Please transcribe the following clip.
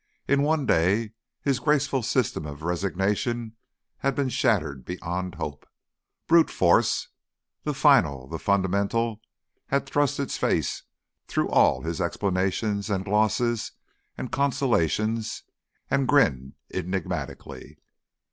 In one day his graceful system of resignation had been shattered beyond hope. Brute force, the final, the fundamental, had thrust its face through all his explanations and glosses and consolations and grinned enigmatically.